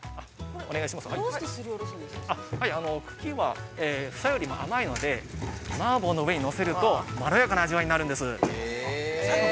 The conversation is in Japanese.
茎は、房よりも甘いので、麻婆の上にのせるとまろやかな味わいになるんです。